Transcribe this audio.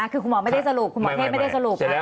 คือคุณหมอไม่ได้สรุปคุณหมอเทพไม่ได้สรุป